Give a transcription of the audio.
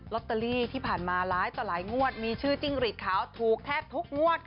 ตเตอรี่ที่ผ่านมาหลายต่อหลายงวดมีชื่อจิ้งหลีดขาวถูกแทบทุกงวด